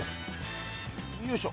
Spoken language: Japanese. よいしょ。